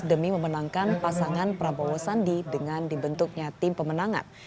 demi memenangkan pasangan prabowo sandi dengan dibentuknya tim pemenangan